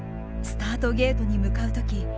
スタートゲートに向かう時